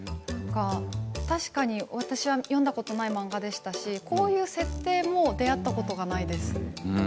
確かに私は読んだことがない漫画でしたしこういう設定も出会ったことがないです。